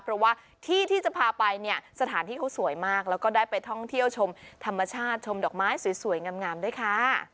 เพราะว่าที่ที่จะพาไปเนี่ยสถานที่เขาสวยมากแล้วก็ได้ไปท่องเที่ยวชมธรรมชาติชมดอกไม้สวยงามด้วยค่ะ